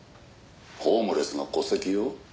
「ホームレスの戸籍を？」